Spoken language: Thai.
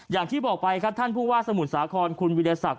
อย่างที่บอกไปค่ะท่านผู้ว่าสมุดสาขอนคุณวิทยาศัพท์